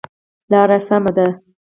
لاره سمه ده؟